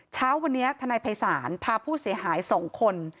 เช้าวันนี้ทนายภัยศาลพาผู้เสียหาย๒คน